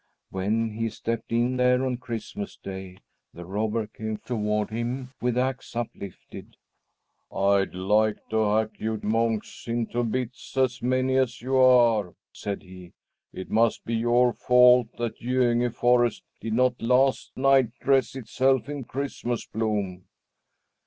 When he stepped in there on Christmas Day, the robber came toward him with axe uplifted. "I'd like to hack you monks into bits, as many as you are!" said he. "It must be your fault that Göinge forest did not last night dress itself in Christmas bloom."